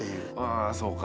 あそうか。